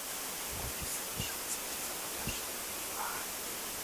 Linguistisch sind diese Unterschiede minimal.